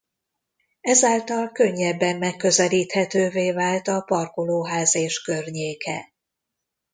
Ezáltal könnyebben megközelíthetővé vált a parkolóház és környéke.